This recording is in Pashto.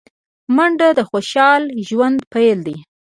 منډه د خوشال ژوند پيل دی